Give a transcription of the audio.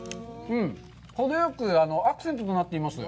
ほどよくアクセントとなっています。